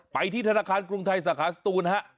ไปที่ธนาคารกรุงไทยสาขาสตูนฮะ